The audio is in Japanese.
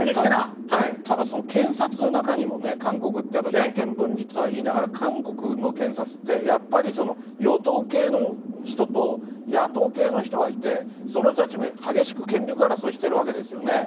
ただ、検察の中にもね、韓国ってやっぱり、三権分立とはいいながら、韓国の検察って、やっぱり与党系の人と、野党系の人がその人たちも激しく権力争いしてるわけですよね。